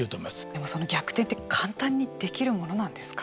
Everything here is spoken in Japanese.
でもその逆転って簡単にできるものなんですか。